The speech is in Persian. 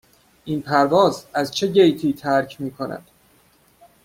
این پرواز از چه گیتی ترک می کند؟